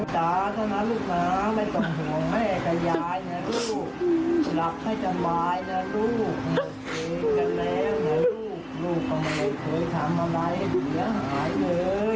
แม่ก็รักลูกมากลิโอ